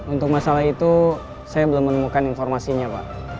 untuk masalah itu saya belum menemukan informasinya pak